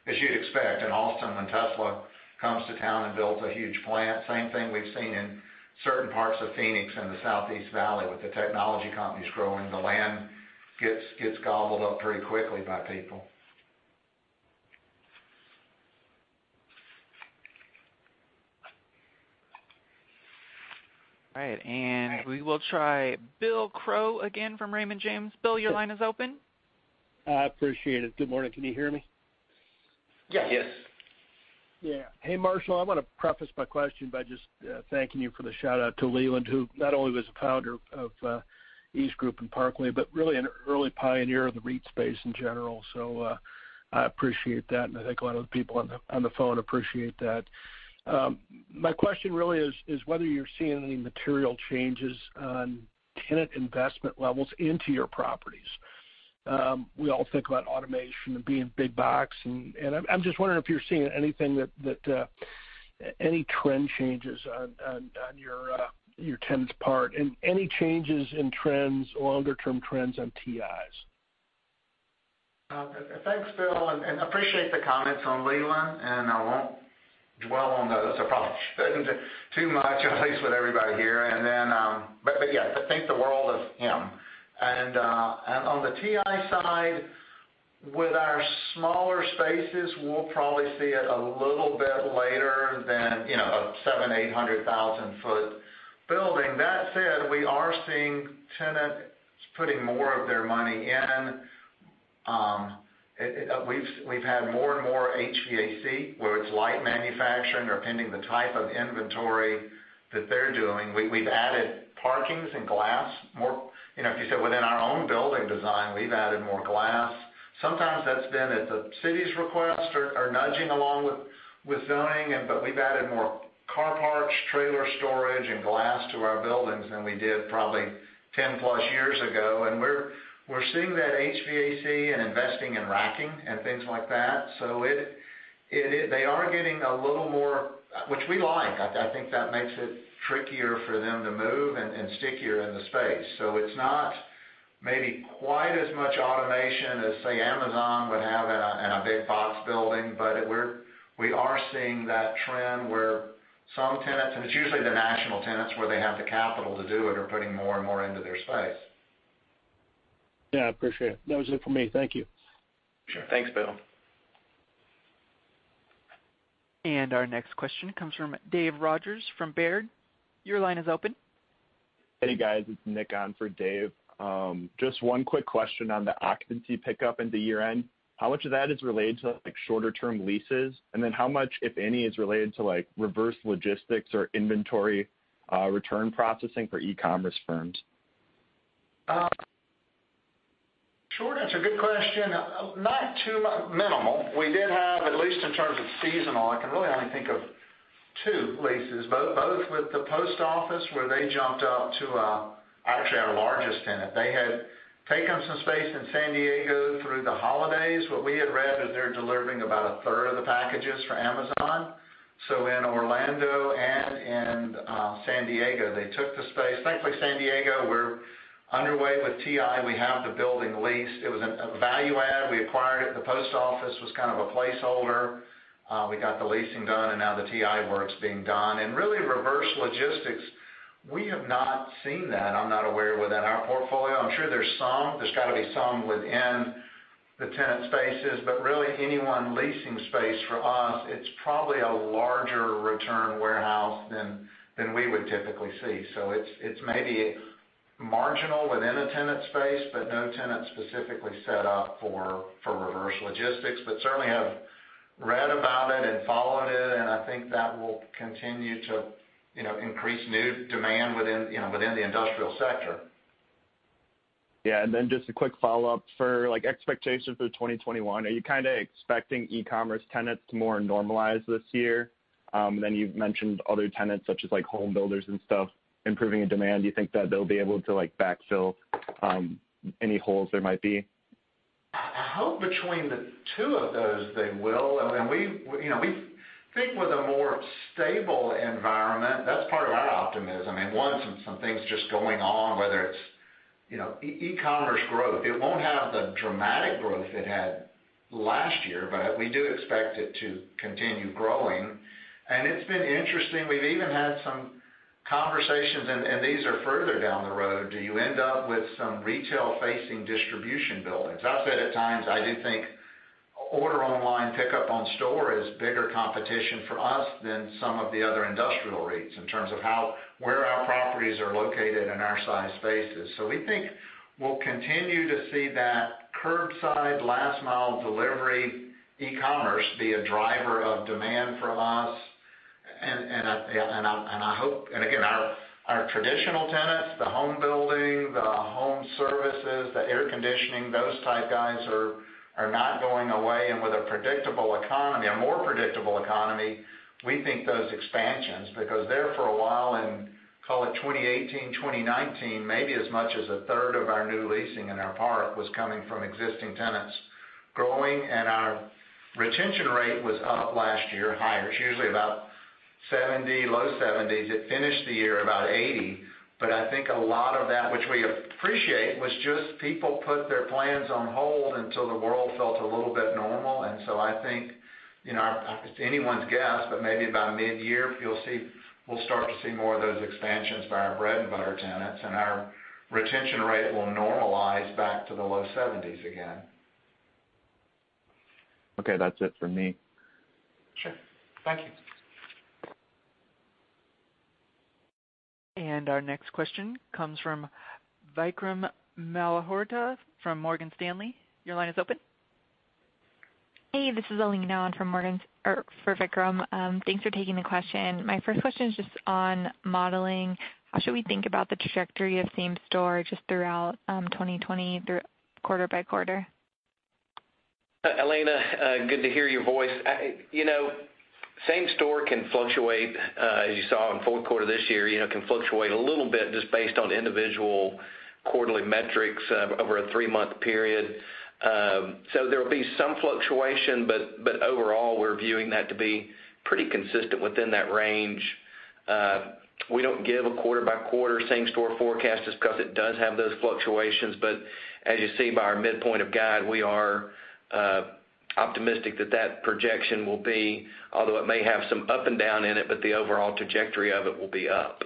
Speaker 2: as you'd expect in Austin, when Tesla comes to town and builds a huge plant. Same thing we've seen in certain parts of Phoenix and the Southeast Valley with the technology companies growing. The land gets gobbled up pretty quickly by people.
Speaker 1: All right. We will try Bill Crow again from Raymond James. Bill, your line is open.
Speaker 12: I appreciate it. Good morning. Can you hear me?
Speaker 2: Yes.
Speaker 12: Yeah. Hey, Marshall. I want to preface my question by just thanking you for the shout-out to Leland, who not only was the founder of EastGroup and Parkway, but really an early pioneer of the REIT space in general. I appreciate that, and I think a lot of the people on the phone appreciate that. My question really is whether you're seeing any material changes on tenant investment levels into your properties. We all think about automation and being big box, and I'm just wondering if you're seeing any trend changes on your tenants' part and any changes in trends or longer-term trends on TIs.
Speaker 2: Thanks, Bill. I appreciate the comments on Leland. I won't dwell on those. I probably shouldn't too much, at least with everybody here. Yeah, I think the world of him. On the TI side, with our smaller spaces, we'll probably see it a little bit later than a 7,800,000-foot building. That said, we are seeing tenants putting more of their money in. We've had more and more HVAC where it's light manufacturing or pending the type of inventory that they're doing. We've added parking and glass more. If you said within our own building design, we've added more glass. Sometimes that's been at the city's request or nudging along with zoning. We've added more car parks, trailer storage, and glass to our buildings than we did probably 10+ years ago. We're seeing that HVAC and investing in racking and things like that. They are getting a little more, which we like. I think that makes it trickier for them to move and stickier in the space. It's not maybe quite as much automation as, say, Amazon would have in a big box building. We are seeing that trend where some tenants, and it's usually the national tenants, where they have the capital to do it, are putting more and more into their space.
Speaker 12: Yeah, I appreciate it. That was it for me. Thank you.
Speaker 2: Sure. Thanks, Bill.
Speaker 1: Our next question comes from Dave Rodgers from Baird. Your line is open.
Speaker 13: Hey, guys. It's Nick on for Dave. Just one quick question on the occupancy pickup into year-end. How much of that is related to shorter-term leases, how much, if any, is related to reverse logistics or inventory return processing for e-commerce firms?
Speaker 2: Short answer, good question. Not minimal. We did have, at least in terms of seasonal, I can really only think of two leases, both with the post office, where they jumped up to actually our largest tenant. They had taken some space in San Diego through the holidays. What we had read is they're delivering about a third of the packages for Amazon. In Orlando and in San Diego, they took the space. Thankfully, San Diego, we're underway with TI. We have the building leased. It was a value add. We acquired it. The post office was kind of a placeholder. We got the leasing done. Now the TI work's being done. Really, reverse logistics, we have not seen that. I'm not aware within our portfolio. I'm sure there's some. There's got to be some within the tenant spaces, but really, anyone leasing space for us, it's probably a larger return warehouse than we would typically see. It's maybe marginal within a tenant space, but no tenant specifically set up for reverse logistics. Certainly have read about it and followed it, and I think that will continue to increase new demand within the industrial sector.
Speaker 13: Yeah. Just a quick follow-up. For expectations for 2021, are you kind of expecting e-commerce tenants to more normalize this year? You've mentioned other tenants, such as home builders and stuff, improving in demand. Do you think that they'll be able to backfill any holes there might be?
Speaker 2: I hope between the two of those, they will. We think with a more stable environment, that's part of our optimism. One, some things just going on, whether it's e-commerce growth. It won't have the dramatic growth it had last year, but we do expect it to continue growing. It's been interesting. We've even had some conversations, and these are further down the road. Do you end up with some retail-facing distribution buildings? I've said at times, I do think order online, pickup in store is bigger competition for us than some of the other industrial REITs in terms of where our properties are located and our size spaces. We think we'll continue to see that curbside, last mile delivery, e-commerce be a driver of demand from us. Again, our traditional tenants, the home building, the home services, the air conditioning, those type guys are not going away. With a predictable economy, a more predictable economy, we think those expansions, because there for a while in, call it 2018, 2019, maybe as much as a third of our new leasing in our park was coming from existing tenants, growing. Our retention rate was up last year, higher. It's usually about 70, low 70s. It finished the year about 80. I think a lot of that, which we appreciate, was just people put their plans on hold until the world felt a little bit normal. I think, it's anyone's guess, but maybe by mid-year, we'll start to see more of those expansions by our bread-and-butter tenants, and our retention rate will normalize back to the low 70s again.
Speaker 13: Okay, that's it for me.
Speaker 2: Sure. Thank you.
Speaker 1: Our next question comes from Vikram Malhotra from Morgan Stanley. Your line is open.
Speaker 14: Hey, this is Elena on for Vikram. Thanks for taking the question. My first question is just on modeling. How should we think about the trajectory of same store just throughout 2020 quarter by quarter?
Speaker 4: Elena, good to hear your voice. Same store can fluctuate, as you saw in fourth quarter this year, can fluctuate a little bit just based on individual quarterly metrics over a three-month period. There'll be some fluctuation, but overall, we're viewing that to be pretty consistent within that range. We don't give a quarter-by-quarter same store forecast just because it does have those fluctuations. As you see by our midpoint of guide, we are optimistic that projection will be, although it may have some up and down in it, but the overall trajectory of it will be up.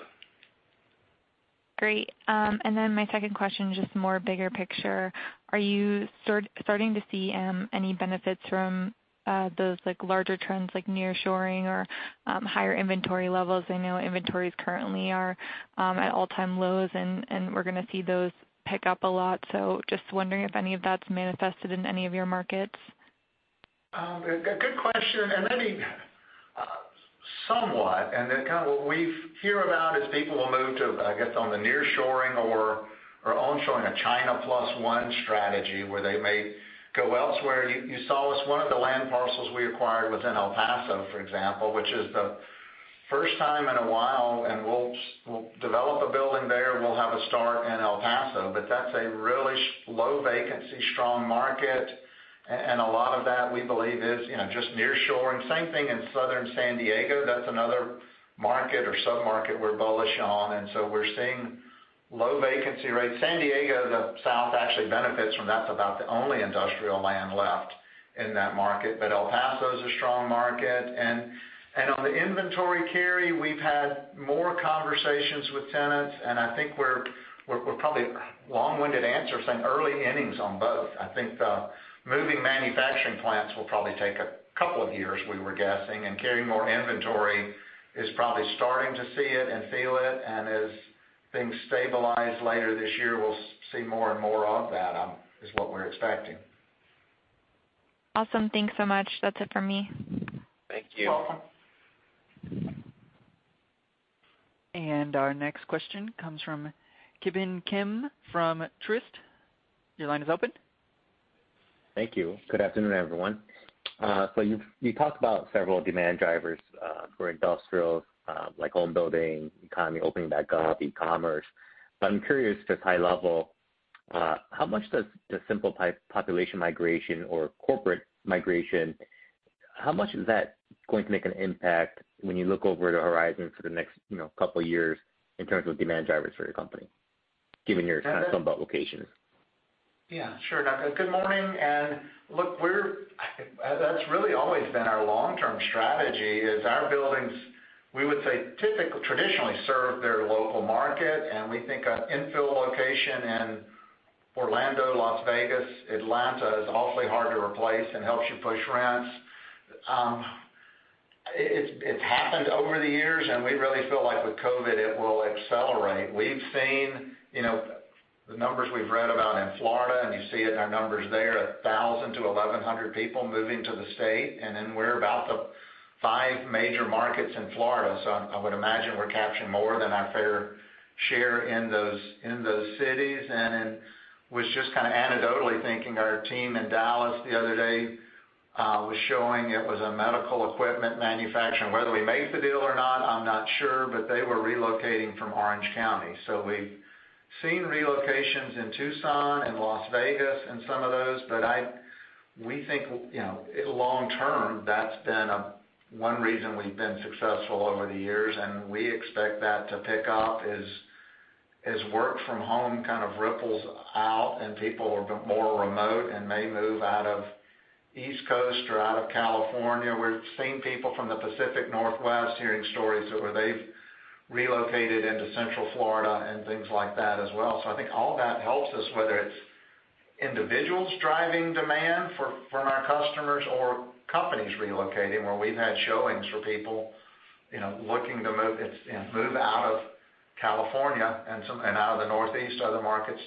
Speaker 14: Great. Then my second question, just more bigger picture. Are you starting to see any benefits from those larger trends like nearshoring or higher inventory levels? I know inventories currently are at all-time lows, and we're going to see those pick up a lot. Just wondering if any of that's manifested in any of your markets.
Speaker 2: Good question. I think somewhat, and then kind of what we hear about is people will move to, I guess, on the nearshoring or onshoring a China plus one strategy where they may go elsewhere. You saw this, one of the land parcels we acquired was in El Paso, for example, which is the first time in a while, and we'll develop a building there. We'll have a start in El Paso. That's a really low vacancy, strong market. A lot of that, we believe, is just nearshoring. Same thing in Southern San Diego. That's another market or sub-market we're bullish on. We're seeing low vacancy rates. San Diego, the South actually benefits from That's about the only industrial land left in that market. El Paso is a strong market. On the inventory carry, we've had more conversations with tenants, and I think we're probably, long-winded answer, seeing early innings on both. I think the moving manufacturing plants will probably take a couple of years, we were guessing, and carrying more inventory is probably starting to see it and feel it. As things stabilize later this year, we'll see more and more of that, is what we're expecting.
Speaker 14: Awesome. Thanks so much. That's it for me.
Speaker 4: Thank you.
Speaker 2: You're welcome.
Speaker 1: Our next question comes from Ki Bin Kim from Truist. Your line is open.
Speaker 15: Thank you. Good afternoon, everyone. You talk about several demand drivers for industrials, like home building, economy opening back up, e-commerce. I'm curious, just high level, how much does the simple population migration or corporate migration, how much is that going to make an impact when you look over the horizon for the next couple of years in terms of demand drivers for your company, given your sunbelt locations?
Speaker 2: Yeah, sure. Good morning. Look, that's really always been our long-term strategy, is our buildings, we would say traditionally serve their local market, and we think an infill location in Orlando, Las Vegas, Atlanta is awfully hard to replace and helps you push rents. It's happened over the years, and we really feel like with COVID, it will accelerate. We've seen the numbers we've read about in Florida, and you see it in our numbers there, 1,000 to 1,100 people moving to the state. Then we're about the five major markets in Florida. I would imagine we're capturing more than our fair share in those cities. Was just kind of anecdotally thinking, our team in Dallas the other day was showing, it was a medical equipment manufacturer, and whether we made the deal or not, I'm not sure, but they were relocating from Orange County. We've seen relocations in Tucson and Las Vegas and some of those. We think long term, that's been one reason we've been successful over the years, and we expect that to pick up as work from home kind of ripples out and people are more remote and may move out of East Coast or out of California. We're seeing people from the Pacific Northwest, hearing stories of where they've relocated into Central Florida and things like that as well. I think all that helps us, whether it's individuals driving demand from our customers or companies relocating, where we've had showings for people looking to move out of California and out of the Northeast, other markets.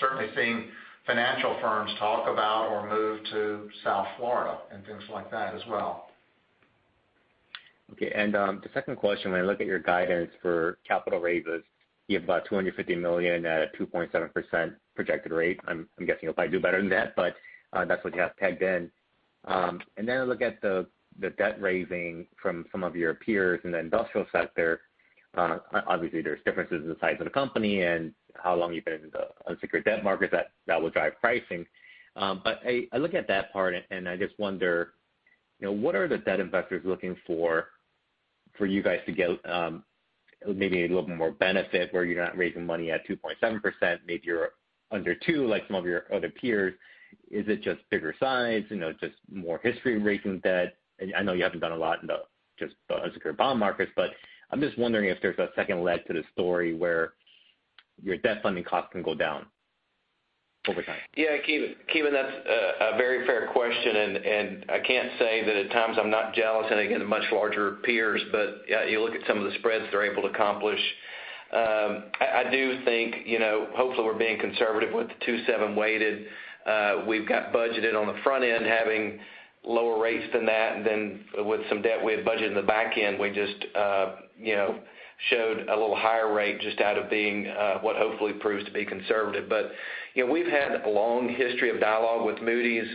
Speaker 2: Certainly seeing financial firms talk about or move to South Florida and things like that as well.
Speaker 15: Okay. The second question, when I look at your guidance for capital raises, you have about $250 million at a 2.7% projected rate. I'm guessing you'll probably do better than that, but that's what you have tagged in. Then I look at the debt raising from some of your peers in the industrial sector. Obviously, there's differences in the size of the company and how long you've been in the unsecured debt market that will drive pricing. I look at that part and I just wonder, what are the debt investors looking for you guys to get maybe a little more benefit, where you're not raising money at 2.7%, maybe you're under 2% like some of your other peers. Is it just bigger size, just more history in raising debt? I know you haven't done a lot in the just unsecured bond markets, but I'm just wondering if there's a second leg to the story where your debt funding costs can go down over time.
Speaker 4: Yeah, Ki Bin, that's a very fair question, and I can't say that at times I'm not jealous looking at the much larger peers, but you look at some of the spreads they're able to accomplish. I do think hopefully we're being conservative with the 2.7 weighted. We've got budgeted on the front end having lower rates than that. Then with some debt we had budgeted in the back end, we just showed a little higher rate just out of being what hopefully proves to be conservative. We've had a long history of dialogue with Moody's.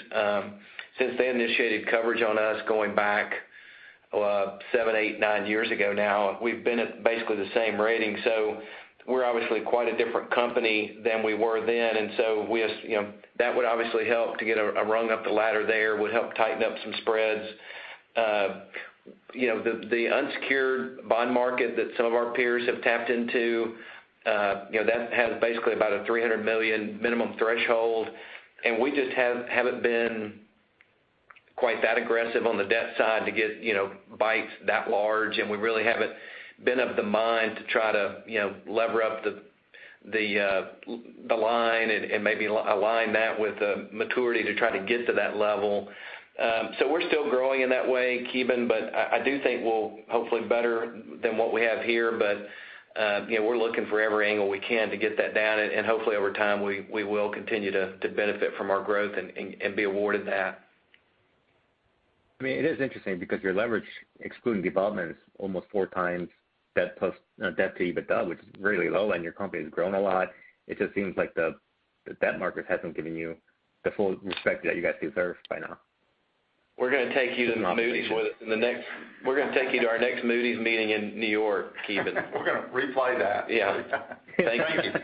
Speaker 4: Since they initiated coverage on us going back seven, eight, nine years ago now, we've been at basically the same rating. We're obviously quite a different company than we were then. That would obviously help to get a rung up the ladder there, would help tighten up some spreads. The unsecured bond market that some of our peers have tapped into, that has basically about a $300 million minimum threshold. We just haven't been quite that aggressive on the debt side to get bites that large. We really haven't been of the mind to try to lever up the line and maybe align that with a maturity to try to get to that level. We're still growing in that way, Ki Bin, I do think we'll hopefully better than what we have here. We're looking for every angle we can to get that down. Hopefully over time, we will continue to benefit from our growth and be awarded that.
Speaker 15: It is interesting because your leverage, excluding development, is almost 4x debt to EBITDA, which is really low, and your company's grown a lot. It just seems like the debt market hasn't given you the full respect that you guys deserve by now.
Speaker 4: We're going to take you to Moody's. We're going to take you to our next Moody's meeting in New York, Ki Bin.
Speaker 2: We're going to replay that every time.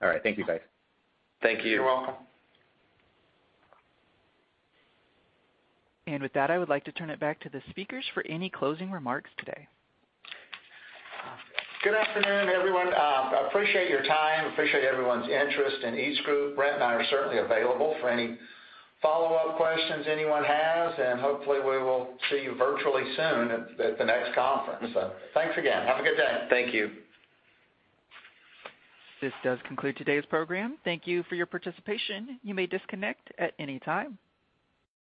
Speaker 15: All right. Thank you guys.
Speaker 4: Thank you.
Speaker 2: You're welcome.
Speaker 1: With that, I would like to turn it back to the speakers for any closing remarks today.
Speaker 2: Good afternoon, everyone. Appreciate your time. Appreciate everyone's interest in EastGroup. Brent and I are certainly available for any follow-up questions anyone has. Hopefully we will see you virtually soon at the next conference. Thanks again. Have a good day.
Speaker 4: Thank you.
Speaker 1: This does conclude today's program. Thank you for your participation. You may disconnect at any time.